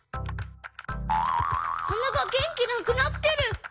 はながげんきなくなってる！